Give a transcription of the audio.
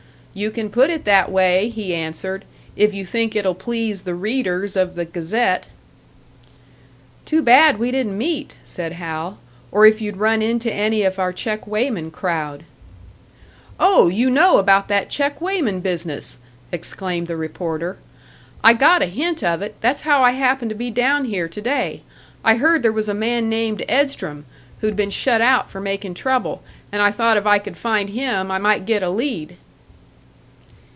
'You can put it that way,' he answered, 'if you think it'll please the readers of the Gazette.'" "Too bad we didn't meet!" said Hal. "Or if you'd run into any of our check weighman crowd!" "Oh! You know about that check weighman business!" exclaimed the reporter. "I got a hint of it that's how I happened to be down here to day. I heard there was a man named Edstrom, who'd been shut out for making trouble; and I thought if I could find him, I might get a lead."